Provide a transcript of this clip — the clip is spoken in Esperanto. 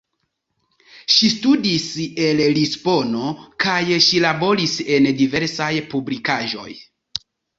Ŝi studis en Lisbono kaj ŝi laboris en diversaj publikaĵoj.